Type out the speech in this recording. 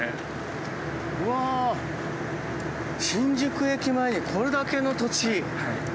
うわ新宿駅前にこれだけの土地。